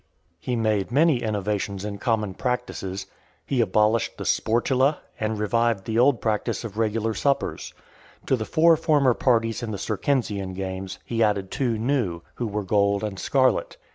VII. He made many innovations in common practices. He abolished the Sportula , and revived the old practice of regular suppers. To the four former parties in the Circensian games, he added two new, who were gold and scarlet.